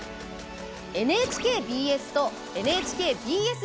ＮＨＫＢＳとＮＨＫＢＳ